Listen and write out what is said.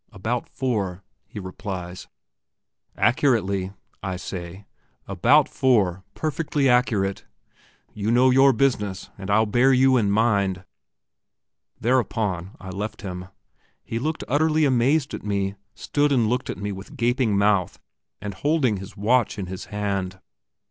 "About four," he replies. "Accurately," I say, "about four, perfectly accurate. You know your business, and I'll bear you in mind." Thereupon I left him. He looked utterly amazed at me, stood and looked at me, with gaping mouth, still holding his watch in his hand.